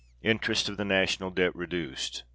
Interest of the National Debt reduced.